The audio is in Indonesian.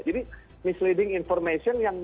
jadi misleading information yang